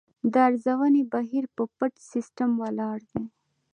د ارزونې بهیر په پټ سیستم ولاړ دی.